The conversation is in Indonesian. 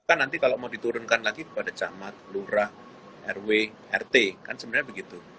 kan nanti kalau mau diturunkan lagi kepada camat lurah rw rt kan sebenarnya begitu